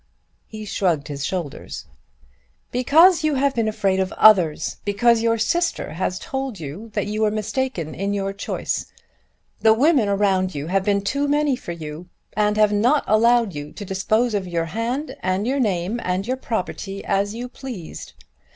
He shrugged his shoulders. "Because you have been afraid of others; because your sister has told you that you were mistaken in your choice. The women around you have been too many for you, and have not allowed you to dispose of your hand, and your name, and your property as you pleased.